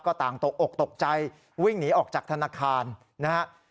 ก็ต่างตกอกตกใจวิ่งหนีออกจากธนาคารนะฮะ